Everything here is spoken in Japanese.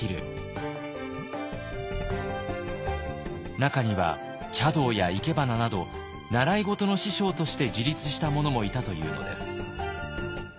中には茶道や生け花など習い事の師匠として自立した者もいたというのです。